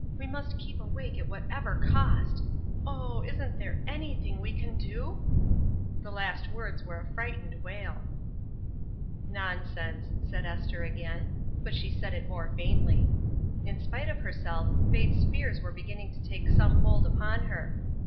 we must keep awake at whatever cost. Oh ! isn't there anything that we can do ?" The last words were a frightened wail. 178 ESTER RIED'S NAMESAKE " Nonsense !" said Esther again ; but she said it more faintly. In spite of herself Faith's fears were beginning to take some hold upon her.